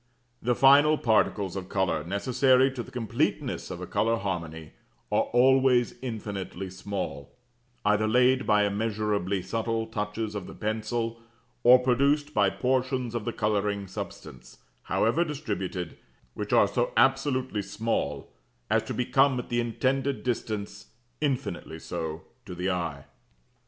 THE FINAL PARTICLES OF COLOUR NECESSARY TO THE COMPLETENESS OF A COLOUR HARMONY ARE ALWAYS INFINITELY SMALL; either laid by immeasurably subtle touches of the pencil, or produced by portions of the colouring substance, however distributed, which are so absolutely small as to become at the intended distance infinitely so to the eye.